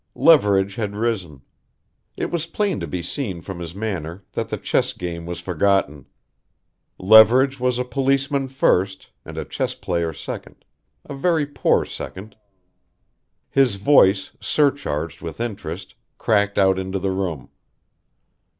Leverage had risen. It was plain to be seen from his manner that the chess game was forgotten. Leverage was a policeman first and a chess player second a very poor second. His voice, surcharged with interest, cracked out into the room.